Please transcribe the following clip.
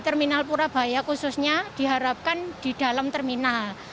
terminal purabaya khususnya diharapkan di dalam terminal dan di dalam terminal itu dikira kira itu